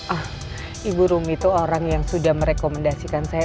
ah ibu rumi itu orang yang sudah merekomendasikan saya